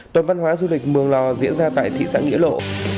tuần văn hóa du lịch mường lò diễn ra tại thị xã nghĩa lộ